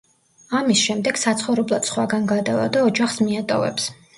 ამის შემდეგ საცხოვრებლად სხვაგან გადავა და ოჯახს მიატოვებს.